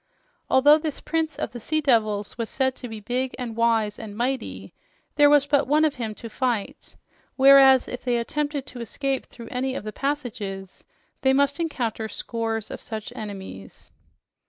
Although this prince of the sea devils was said to be big and wise and mighty, there was but one of him to fight; whereas, if they attempted to escape through any of the passages, they must encounter scores of such enemies.